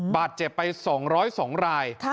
บาดเจ็บไป๒๐๒ราย